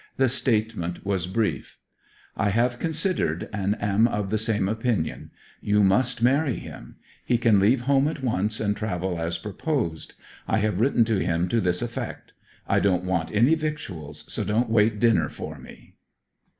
The statement was brief: I have considered and am of the same opinion. You must marry him. He can leave home at once and travel as proposed. I have written to him to this effect. I don't want any victuals, so don't wait dinner for me.